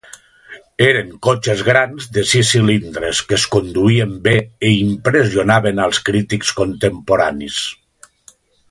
Eren cotxes grans de sis cilindres que es conduïen bé i impressionaven als crítics contemporanis.